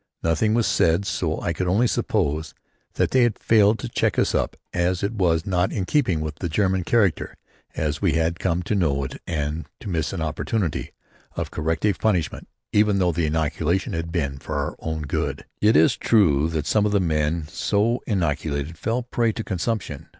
Nothing was said so I could only suppose that they failed to check us up as it was not in keeping with the German character as we had come to know it to miss any opportunity of corrective punishment even though the inoculation had been for our own good. It is true that some of the men so inoculated fell prey to consumption.